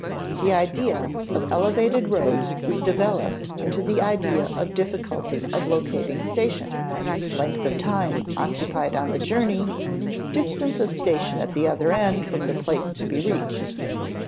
The idea of elevated road is developed into the idea of difficulty of locating station, length of time occupied on the journey, distance of station at the other end from place to be reached.